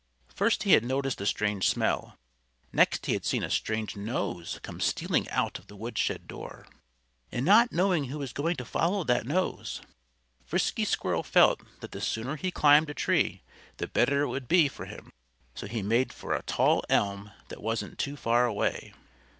First he had noticed a strange smell. Next he had seen a strange nose come stealing out of the woodshed door. And not knowing who was going to follow that nose, Frisky Squirrel felt that the sooner he climbed a tree the better it would be for him. So he made for a tall elm that wasn't too far away.